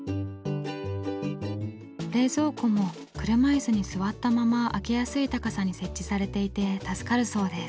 冷蔵庫も車いすに座ったまま開けやすい高さに設置されていて助かるそうです。